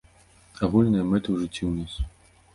Агульныя мэты ў жыцці ў нас.